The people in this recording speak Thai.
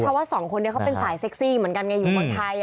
เพราะว่าสองคนนี้เขาเป็นสายเซ็กซี่เหมือนกันไงอยู่เมืองไทย